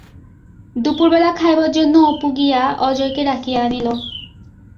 দুপুর বেলা খাইবার জন্য অপু গিয়া অজয়কে ডাকিয়া আনিল।